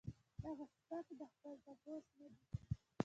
دغه سپک د خپل تپوس نۀ دي